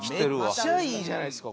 めっちゃいいじゃないですか。